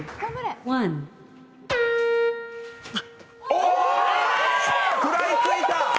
おー、食らいついた。